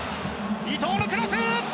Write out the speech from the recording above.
伊東のクロス！